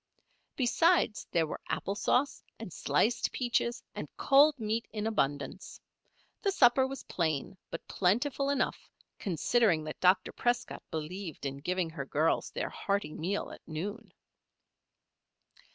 Besides, there were apple sauce and sliced peaches and cold meat in abundance. The supper was plain, but plentiful enough, considering that Dr. Prescott believed in giving her girls their hearty meal at noon.